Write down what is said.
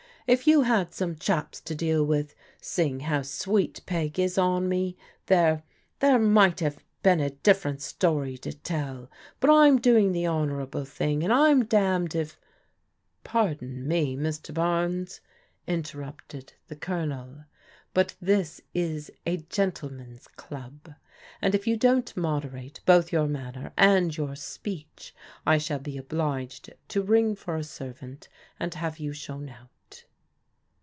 If you had some chaps to deal with, seeing how sweet Peg is on me, there — there might have been a different story to tell. But I'm doing the honour able thing and I'm d d if "" Pardon me, Mr. Barnes," interrupted the Colonel, " but this is a gentleman's club, and if you don't moder ate both your manner and your speech I shall be obliged to ring for a servant and have you shown out."